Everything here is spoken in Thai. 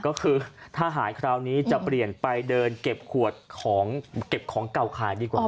ก็คือถ้าหายคราวนี้จะเปลี่ยนไปเดินเก็บขวดของเก็บของเก่าขายดีกว่า